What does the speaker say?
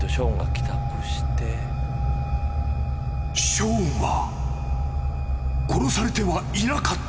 ［ショーンは殺されてはいなかった］